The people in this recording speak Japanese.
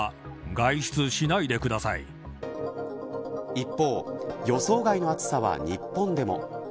一方、予想外の暑さは日本でも。